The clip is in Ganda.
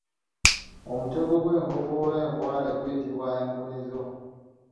Omutego gw'enkofu oba enkwale guyitibwa enkunizo.